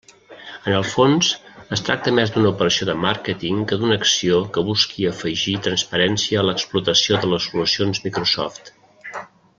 En el fons, es tracta més d'una operació de màrqueting que d'una acció que busqui afegir transparència a l'explotació de les solucions Microsoft.